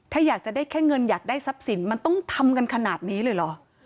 ถ้าอยากจะได้แค่เงินอยากได้ทรัพย์สินมันต้องทำกันขนาดนี้เลยเหรอ